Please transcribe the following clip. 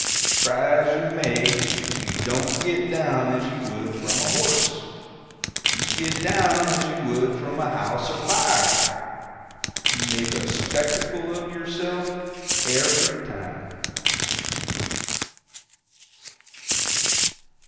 Try as you may, you don't get down as you would from a horse, you get down as you would from a house afire. You make a spectacle of yourself every time.